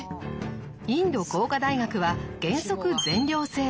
インド工科大学は原則全寮制。